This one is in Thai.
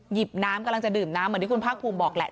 หยิบน้ำกำลังจะดื่มน้ำเหมือนที่คุณภาคภูมิบอกแหละ